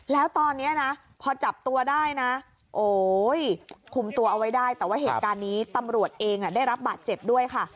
แล้วตอนนี้นะพอจับตัวได้นะโอ้ยคุมตัวเอาไว้ได้แต่ว่าเหตุการณ์นี้ตำรวจเองได้รับบาดเจ็บด้วยค่ะ